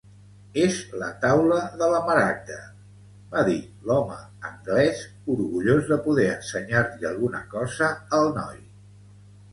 "És la Taula de la Maragda", va dir l'home anglès, orgullós de poder ensenyar-li alguna cosa al noi.